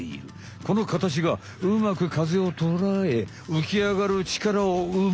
このかたちがうまく風をとらえうきあがる力をうむ。